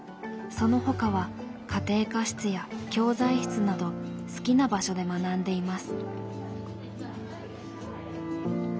そのほかは家庭科室や教材室など好きな場所で学んでいます。